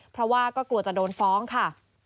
เพราะว่าก็กลัวจะโดนฟ้องค่ะ